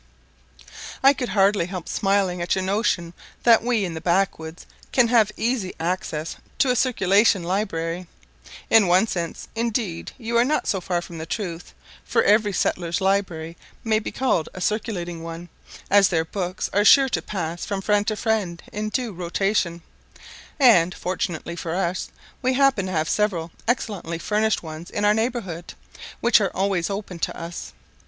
I could hardly help smiling at your notion that we in the backwoods can have easy access to a circulation library. In one sense, indeed, you are not so far from truth, for every settler's library may be called a circulating one, as their books are sure to pass from friend to friend in due rotation; and, fortunately for us, we happen to have several excellently furnished ones in our neighbourhood, which are always open to us.